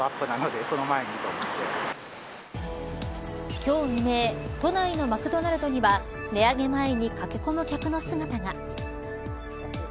今日未明都内のマクドナルドには値上げ前に駆け込む客の姿が。